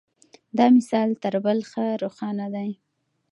دا مثال تر بل ښه روښانه دی.